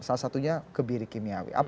salah satunya kebirik kimiawi